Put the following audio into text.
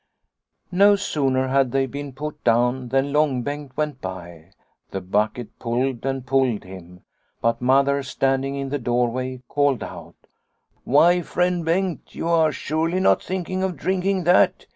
No sooner had they been put down than Long Bengt went by. The bucket pulled and pulled him, but Mother, standing in the doorway, called out :' Why, friend Bengt, you are surely not thinking of drinking that